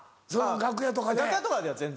楽屋とかでは全然。